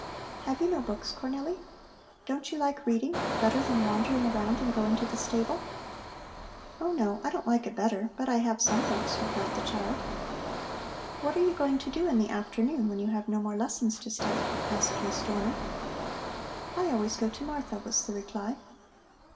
"Have you no books, Cornelli? Don't you like reading better than wandering around and going to the stable?" "Oh no, I don't like it better, but I have some books," replied the child. "What are you going to do in the afternoon, when you have no more lessons to study?" asked Miss Dorner. "I always go to Martha," was the reply.